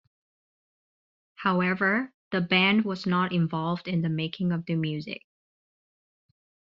However, the band was not involved in the making of the music.